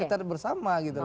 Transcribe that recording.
sekitar bersama gitu loh